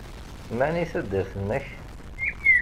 Mani taddart-nnek?